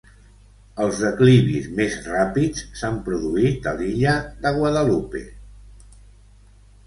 Els declivis més ràpids s"han produït a la illa de Guadalupe.